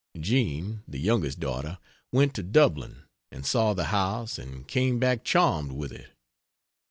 Jean (the youngest daughter) went to Dublin and saw the house and came back charmed with it.